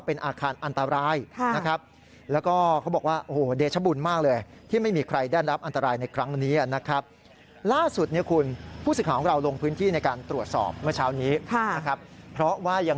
เพราะถือว่าเป็นอาคารอันตรายนะครับ